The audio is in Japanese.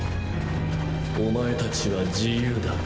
お前たちは自由だ。